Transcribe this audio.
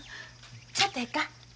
ちょっとええか？